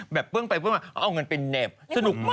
เบื้องไปเอาเงินเป็นเน็บสนุกมาก